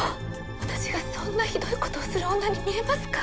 私がそんなひどいことをする女に見えますか？